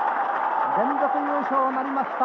連続優勝なりました。